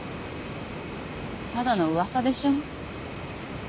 ただの噂でしょ。